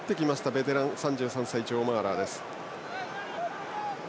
ベテラン、３３歳ジョー・マーラーです。